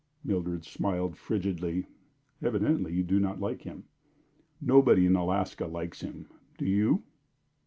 Mildred smiled frigidly. "Evidently you do not like him?" "Nobody in Alaska likes him. Do you?"